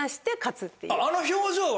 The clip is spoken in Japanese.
あの表情は。